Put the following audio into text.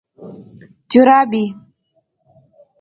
🧦جورابي